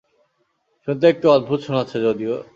শুনতে একটু অদ্ভুত শোনাচ্ছে যদিও।